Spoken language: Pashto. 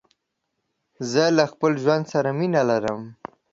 زه له خپل ژوند سره مينه لرم.